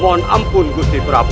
mohon ampun gusti prabu